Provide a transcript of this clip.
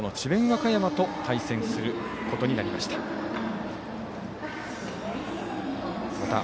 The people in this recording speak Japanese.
和歌山高校と対戦することになりました。